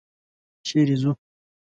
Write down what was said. چېرې ځو؟